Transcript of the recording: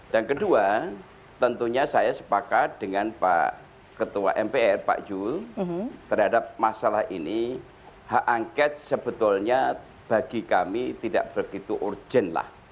dan kedua tentunya saya sepakat dengan pak ketua mpr pak jul terhadap masalah ini hak angket sebetulnya bagi kami tidak begitu urgen lah